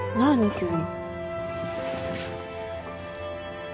急に。